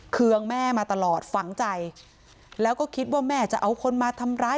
เครื่องแม่มาตลอดฝังใจแล้วก็คิดว่าแม่จะเอาคนมาทำร้าย